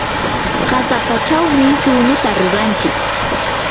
qasapachawmi chunuta ruranchik.